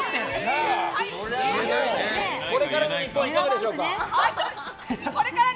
これからの日本はいかがでしょうか？